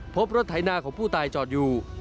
พบรถไถนาของผู้ตายจอดอยู่